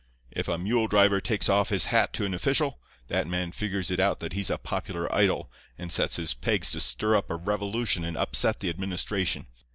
If a mule driver takes off his hat to an official, that man figures it out that he's a popular idol, and sets his pegs to stir up a revolution and upset the administration.